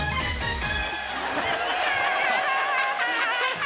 ハハハハハ。